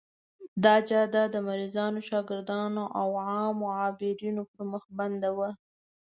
دا جاده د مریضانو، شاګردانو او عامو عابرینو پر مخ بنده وه.